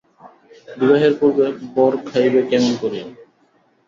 বিবাহের পূর্বে বর খাইবে কেমন করিয়া।